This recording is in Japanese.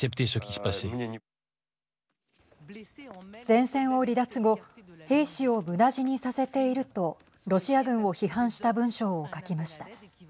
前線を離脱後兵士をむだ死にさせているとロシア軍を批判した文章を書きました。